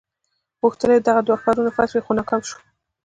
غوښتل یې دغه دوه ښارونه فتح کړي خو ناکام شو.